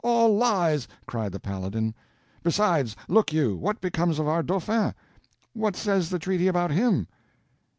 all lies!" cried the Paladin. "Besides, look you—what becomes of our Dauphin? What says the treaty about him?"